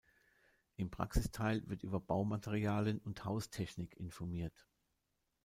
Im Praxis-Teil wird über Baumaterialien und Haustechnik informiert.